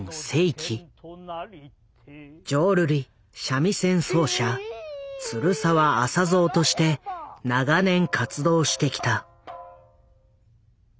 浄瑠璃三味線奏者鶴澤淺造として長年活動してきた。